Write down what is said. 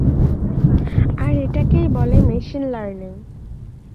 আর এটাকেই বলে machine learning.